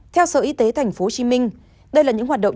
theo sở y tế tp hcm đây là những hoạt động